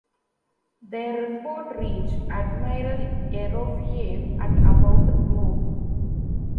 Their report reached Admiral Yerofeyev at about noon.